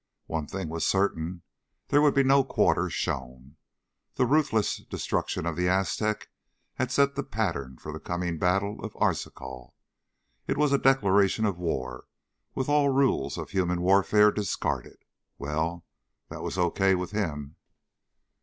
One thing was certain there would be no quarter shown. The ruthless destruction of the Aztec had set the pattern for the coming battle of Arzachel. It was a declaration of war with all rules of human warfare discarded. Well, that was okay with him.